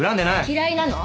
嫌いなの？